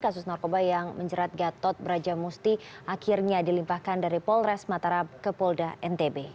kasus narkoba yang menjerat gatot brajamusti akhirnya dilimpahkan dari polres mataram ke polda ntb